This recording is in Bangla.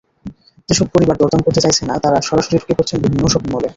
যেসব পরিবার দরদাম করতে চাইছে না, তারা সরাসরি ঢুকে পড়ছেন বিভিন্ন শপিং মলে।